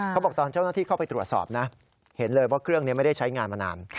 เขาบอกตอนเจ้าหน้าที่เข้าไปตรวจสอบนะเห็นเลยว่าเครื่องนี้ไม่ได้ใช้งานมานาน